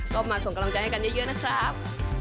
ก็มาส่งกำลังใจให้กันเยอะนะครับ